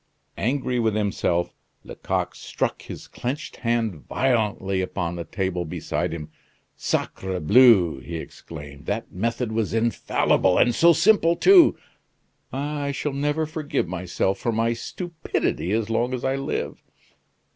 '" Angry with himself, Lecoq struck his clenched hand violently upon the table beside him. "Sacrebleu!" he exclaimed, "that method was infallible, and so simple too! Ah! I shall never forgive myself for my stupidity as long as I live!"